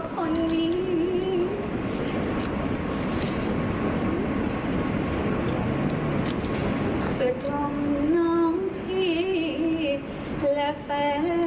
คลิปรับทุกอย่า